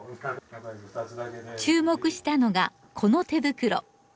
注目したのがこの手袋。